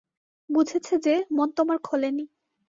বুঝেছে যে, মন তোমার খোলে নি।